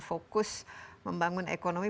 fokus membangun ekonomi